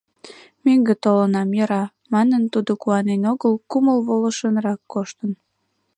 «Мӧҥгӧ толынам, йӧра» манын, тудо куанен огыл, кумыл волышынрак коштын.